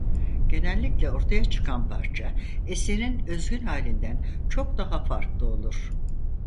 Genellikle ortaya çıkan parça eserin özgün halinden çok daha farklı olur.